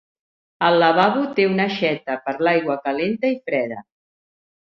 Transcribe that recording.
El lavabo té una aixeta per l'aigua calenta i freda